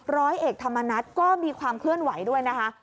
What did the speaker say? ร้อยเอกธรรมนัฐก็มีความเคลื่อนไหวด้วยนะคะ